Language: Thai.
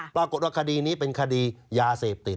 ปรากฏว่าคดีนี้เป็นคดียาเสพติด